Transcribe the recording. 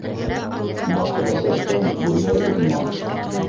Баҡра сәскән бойҙай урмаҫ.